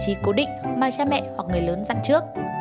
hãy ở một vị trí cố định mà cha mẹ hoặc người lớn dặn trước